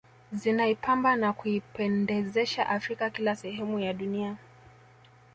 Zinaipamba na kuipendezesha Afrika kila sehemu ya dunia